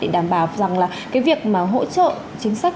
để đảm bảo rằng là cái việc mà hỗ trợ chính sách